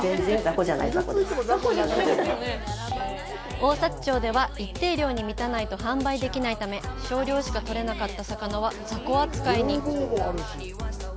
相差町では一定量に満たないと販売できないため、少量しかとれなかった魚はザコ扱いに。